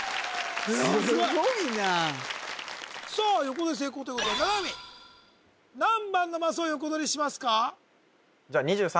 すごいなさあ横取り成功ということで七海何番のマスを横取りしますか？